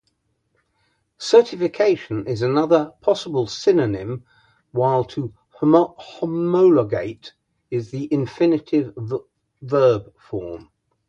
"Certification" is another possible synonym, while "to homologate" is the infinitive verb form.